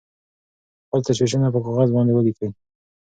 خپل تشویشونه په کاغذ باندې ولیکئ.